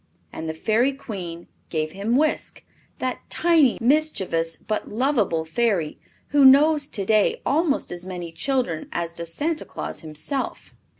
And the Fairy Queen gave him Wisk, that tiny, mischievous but lovable Fairy who knows today almost as many children as does Santa Claus himself.